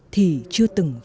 thì chưa từng có